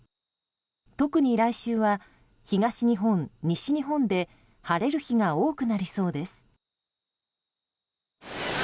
特に来週は東日本、西日本で晴れる日が多くなりそうです。